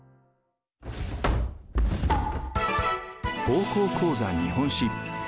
「高校講座日本史」。